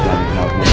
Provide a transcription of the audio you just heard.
tunggu pak ustadz